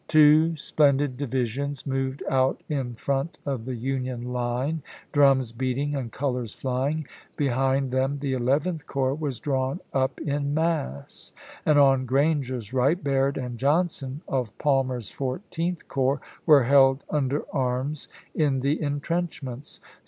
Two splendid divisions moved out in front of the Union line, drums beating and colors flying ; behind them the Eleventh Corps was di'awn up in mass; and on Granger's right Baird and Johnson, of Palmer's Fourteenth Corps, were held under arms in the intrenchments.